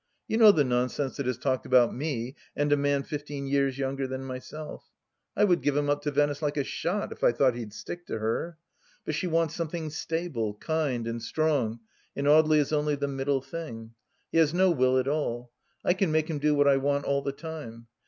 You know the nonsense that is talked about me and a man fifteen years younger than myself ? I would give him up to Venice like a shot if I thought he'd stick to her. But she wants something stable, kind, and strong, and Audely is only the middle thing. He has no will at all. I can make him do what I want all the time.